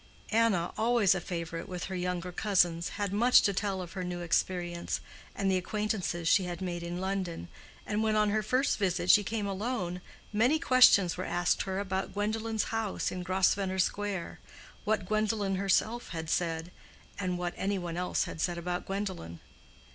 Anna, always a favorite with her younger cousins, had much to tell of her new experience, and the acquaintances she had made in London, and when on her first visit she came alone, many questions were asked her about Gwendolen's house in Grosvenor Square, what Gwendolen herself had said, and what any one else had said about Gwendolen.